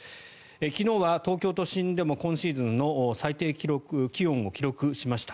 昨日は東京都心でも今シーズンの最低気温を記録しました。